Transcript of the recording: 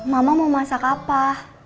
mama mau masak apa